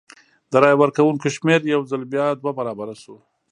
د رای ورکوونکو شمېر یو ځل بیا دوه برابره شو.